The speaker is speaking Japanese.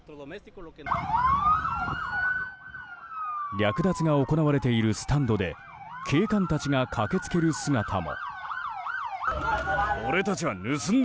略奪が行われているスタンドで警官たちが駆けつける姿も。